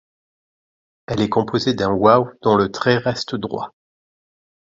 Elle est composée d’un wāw dont le trait reste droit.